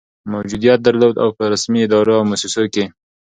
موجودیت درلود، او په رسمي ادارو او مؤسسو کي